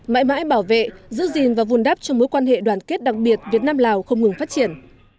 mãi mãi bảo vệ giữ gìn và vùn đắp cho mối quan hệ đoàn kết đặc biệt việt nam lào không ngừng phát triển